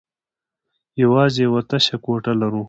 يواځې يوه تشه کوټه لرو.